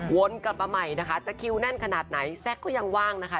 วนกลับมาใหม่นะคะจะคิวแน่นขนาดไหนแซ็กก็ยังว่างนะคะ